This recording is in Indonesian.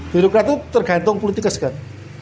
birokrat itu tergantung politikus kan